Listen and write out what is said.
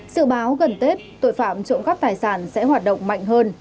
sự báo gần tết tội phạm trộm cắp tài sản sẽ hoạt động mạnh hơn